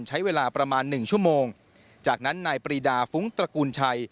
ใช้เวลาประมาณหนึ่งชั่วโมงจากนั้นนายปรีดาฟุ้งตระกูลชัย